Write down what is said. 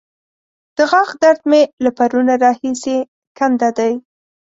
د غاښ درد مې له پرونه راهسې کنده دی.